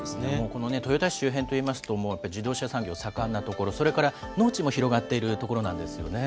この豊田市周辺といいますと、自動車産業盛んな所、それから農地も広がっている所なんですよね。